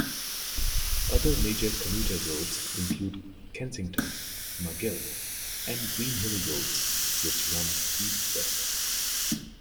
Other major commuter roads include Kensington, Magill and Greenhill Roads, which run east-west.